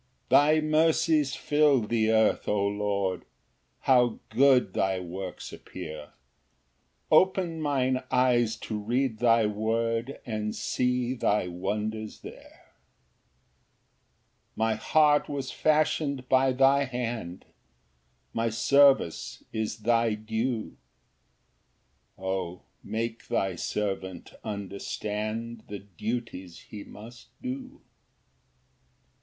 Ver. 64 66 18. 1 Thy mercies fill the earth, O Lord, How good thy works appear! Open mine eyes to read thy word, And see thy wonders there. Ver. 73 125. 2 My heart was fashion'd by thy hand, My service is thy due: O make thy servant understand The duties he must do.